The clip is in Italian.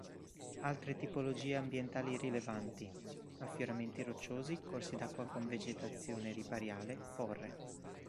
Altre tipologie ambientali rilevanti Affioramenti rocciosi, corsi d'acqua con vegetazione ripariale, forre.